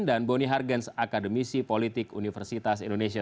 dan boni hargens akademisi politik universitas indonesia